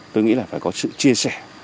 tôi nghĩ là phải có sự chia sẻ